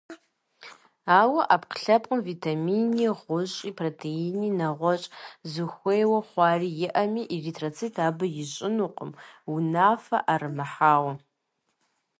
Ауэ ӏэпкълъэпкъым витамини, гъущӏи, протеини, нэгъущӏ зыхуейуэ хъуари иӏэми, эритроцит абы ищӏынукъым, унафэ ӏэрымыхьауэ.